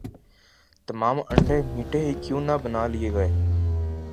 تمام انڈے میٹھے ہی کیوں نہ بنا لئے گئے